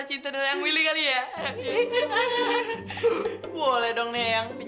si jepang aku ke aku kan sound cry